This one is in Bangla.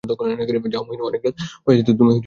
যাও মহিন, অনেক রাত হইয়াছে, তুমি ঘুমাইতে যাও।